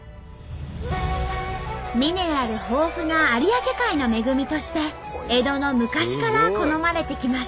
ミネラル豊富な有明海の恵みとして江戸の昔から好まれてきました。